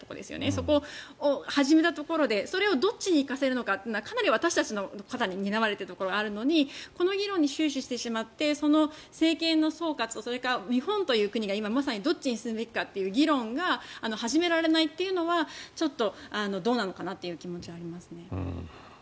そこを始めたところでそれをどっちにいかせるのかというのはかなり私たちの肩に担われているところがあるのにこの議論に終始してしまって政権の総括とそれから日本という国がまさにどっちに進むべきかという議論が始められないというのはちょっとどうなのかなという気持ちはあります。